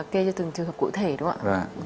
kê cho từng trường hợp cụ thể đúng không ạ